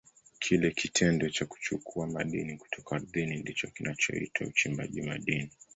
Kile kitendo cha kuchukua madini kutoka ardhini ndicho kinachoitwa uchimbaji madini.